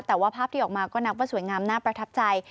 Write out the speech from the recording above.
แต่ว่าภาพที่ออกมาก็นับว่าสวยงามน่าประทับใจ